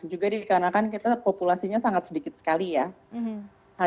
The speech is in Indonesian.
juga dikarenakan kita populasinya sangat sedikit sekali ya